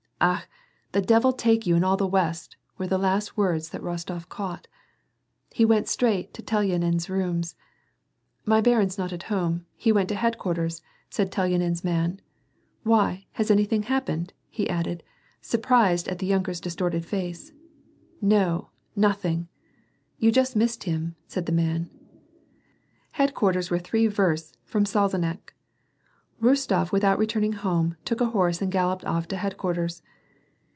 " Akh ! the devil take you and all the w'est," were the last words that Eostof caught. He went straight to Telyanin's rooms. " My barin's not at home ; he went to headquarters," said Telyanin's man. Why, has anything happened ?" he added, surprised at the yunker's distorted face. « No, nothing !"" You just missed him " said the man. Headquarters were three versts * from Salzeneck. Rostof , without returning home, took a horse and galloped off to head quarters.